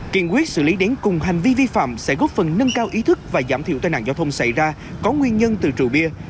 kiện quyết xử lý đến cùng hành vi vi phạm sẽ góp phần nâng cao ý thức và giảm thiểu tai nạn giao thông xảy ra có nguyên nhân từ rượu bia